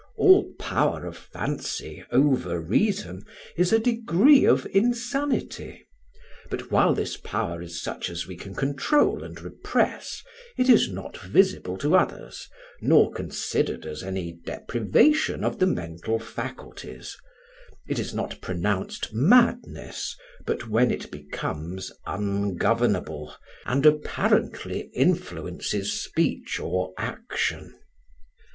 All power of fancy over reason is a degree of insanity, but while this power is such as we can control and repress it is not visible to others, nor considered as any deprivation of the mental faculties; it is not pronounced madness but when it becomes ungovernable, and apparently influences speech or action.